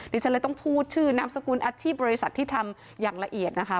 ดิฉันเลยต้องพูดชื่อนามสกุลอาชีพบริษัทที่ทำอย่างละเอียดนะคะ